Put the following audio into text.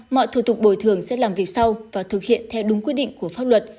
mọi thủ tục bồi thường sẽ làm việc sau và thực hiện theo đúng quy định của pháp luật